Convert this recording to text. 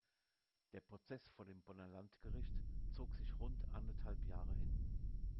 Der Prozess vor dem Bonner Landgericht zog sich rund anderthalb Jahre hin.